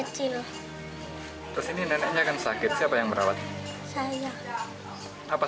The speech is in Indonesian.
terus ini neneknya kan sakit siapa yang merawat